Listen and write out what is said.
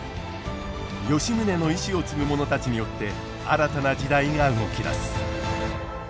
吉宗の遺志を継ぐ者たちによって新たな時代が動き出す。